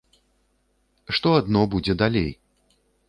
Што адно будзе далей!